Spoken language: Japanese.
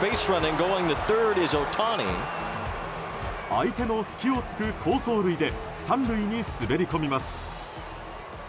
相手の隙を突く好走塁で３塁に滑り込みます。